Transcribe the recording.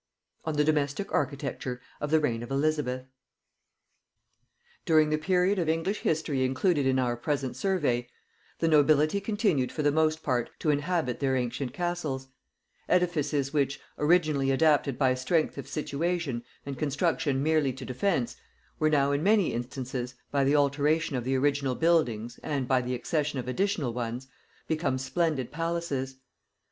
ON THE DOMESTIC ARCHITECTURE OF The Reign of Elizabeth. DURING the period of English history included in our present survey, the nobility continued for the most part to inhabit their ancient castles; edifices which, originally adapted by strength of situation and construction merely to defence, were now in many instances, by the alteration of the original buildings and by the accession of additional ones, become splendid palaces.